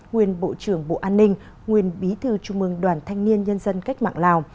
nguyên bộ trưởng bộ an ninh nguyên bí thư trung mương đoàn thanh niên nhân dân cách mạng lào